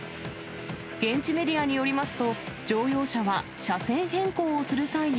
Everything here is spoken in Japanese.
現地メディアによりますと、乗用車は車線変更をする際に、